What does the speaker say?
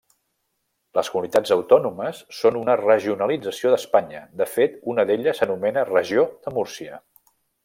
Les comunitats autònomes són una regionalització d'Espanya, de fet una d'elles s'anomena Regió de Múrcia.